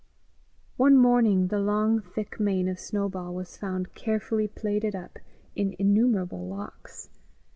One morning the long thick mane of Snowball was found carefully plaited up in innumerable locks.